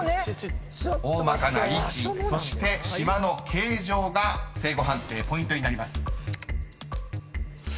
［大まかな位置そして島の形状が正誤判定ポイントになります］